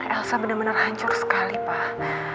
elsa benar benar hancur sekali pak